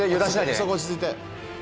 そこおちついて。